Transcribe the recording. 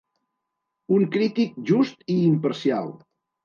Un crític just i imparcial.